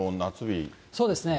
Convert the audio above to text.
そうですね。